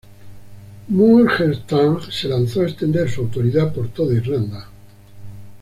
Muirchertach se lanzó a extender su autoridad por toda Irlanda.